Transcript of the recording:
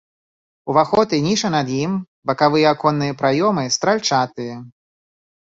Уваход і ніша над ім, бакавыя аконныя праёмы стральчатыя.